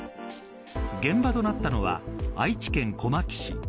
現場となったのは愛知県小牧市。